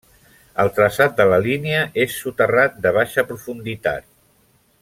El traçat de la línia és soterrat de baixa profunditat.